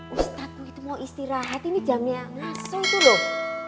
ustadz aku itu mau istirahat ini jamnya ngasuh itu loh